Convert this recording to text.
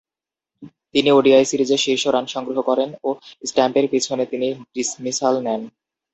তিনি ওডিআই সিরিজে শীর্ষ রান সংগ্রহ করেন ও স্ট্যাম্পের পিছনে তিনি ডিসমিসাল নেন।